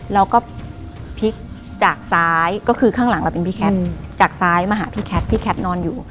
เราก็พลิกจากซ้ายก็คือข้างหลังเราเป็นพี่แคทจากซ้ายมาหาพี่แคทพี่แคทนอนอยู่